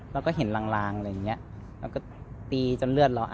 เวลาที่สุดตอนที่สุด